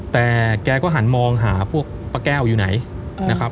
แต่แกก็หันมองหาพวกป้าแก้วอยู่ไหนนะครับ